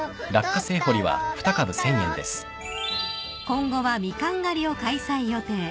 ［今後はミカン狩りを開催予定］